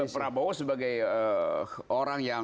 prabowo sebagai orang yang